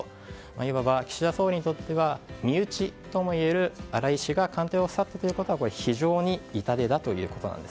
いわば岸田総理にとっては身内ともいえる荒井氏が官邸を去るということは非常に痛手だということなんです。